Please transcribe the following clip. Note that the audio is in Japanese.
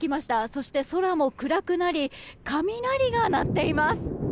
そして、空も暗くなり雷が鳴っています。